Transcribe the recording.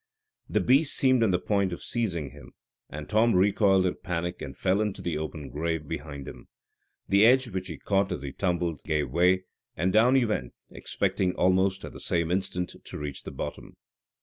This beast seemed on the point of seizing him, and Tom recoiled in panic and fell into the open grave behind him. The edge which he caught as he tumbled gave way, and down he went, expecting almost at the same instant to reach the bottom.